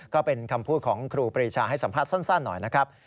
ก็เป็นคำพูดของครูปรีชาให้สัมภาษณ์สั้นหน่อยนะครับ